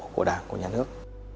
của đảng của nhà nước